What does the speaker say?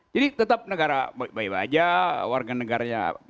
jadi tetap negara baik baik saja warga negaranya baik baik saja